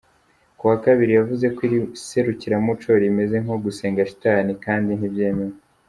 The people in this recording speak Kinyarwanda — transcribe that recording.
Ku wa kabiri, yavuze ko iri serukiramuco "rimeze nko gusenga shitani kandi ntibyemewe.